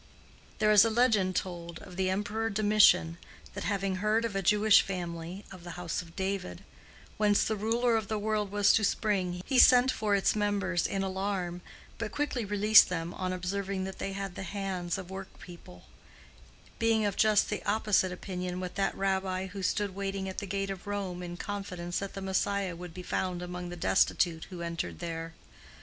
There is a legend told of the Emperor Domitian, that having heard of a Jewish family, of the house of David, whence the ruler of the world was to spring, he sent for its members in alarm, but quickly released them on observing that they had the hands of work people—being of just the opposite opinion with that Rabbi who stood waiting at the gate of Rome in confidence that the Messiah would be found among the destitute who entered there.